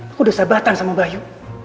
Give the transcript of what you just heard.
aku udah sahabatan sama bayu